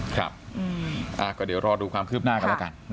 ครับก็เดี๋ยวรอดูความคืบหน้ากันแล้วกัน